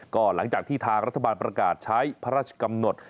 ก็หลังจากที่ทางรัฐบาลประกาศใช้พระราชกำหนด